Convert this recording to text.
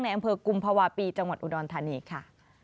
อำเภอกุมภาวะปีจังหวัดอุดรธานีค่ะ